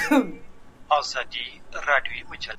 آیا تاسو هره ورځ د ماښام خبرونه ګورئ؟